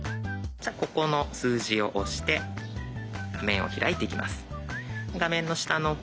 じゃここの数字を押して画面を開いていきます。